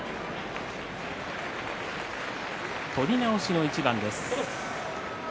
取り直しの一番です。